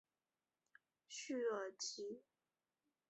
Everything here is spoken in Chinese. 叙尔吉。